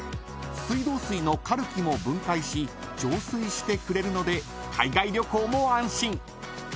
［水道水のカルキも分解し浄水してくれるので海外旅行も安心］